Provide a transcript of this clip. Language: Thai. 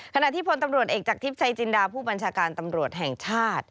ขณะที่พลตำรวจเอกจากทิพย์ชัยจินดาผู้บัญชาการตำรวจแห่งชาติ